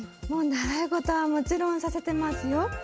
もう習い事はもちろんさせてますよ。